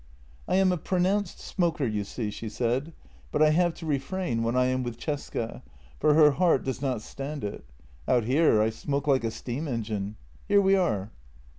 " I am a pronounced smoker, you see," she said, " but I have to refrain when I am with Cesca, for her heart does not stand it; out here I smoke like a steam engine. Here we are."